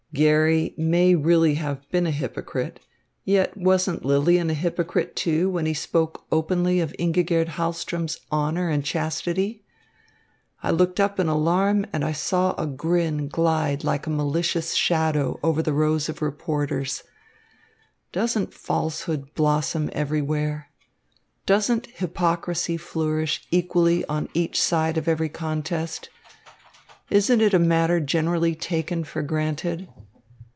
"Garry may really have been a hypocrite, yet wasn't Lilienfeld a hypocrite, too, when he spoke openly of Ingigerd Hahlström's honour and chastity? I looked up in alarm, and I saw a grin glide like a malicious shadow over the rows of reporters. Doesn't falsehood blossom everywhere? Doesn't hypocrisy flourish equally on each side of every contest? Isn't it a matter generally taken for granted?"